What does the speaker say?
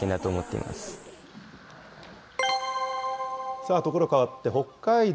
さあ、所変わって、北海道。